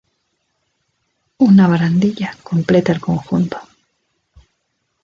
Una barandilla completa el conjunto.